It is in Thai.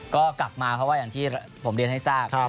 ก็กลับมาเพราะว่าอย่างที่ผมเรียนให้ทราบ